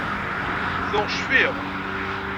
Tuɣ cfiɣ.